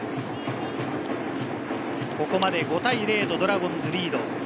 ここまで５対０とドラゴンズがリード。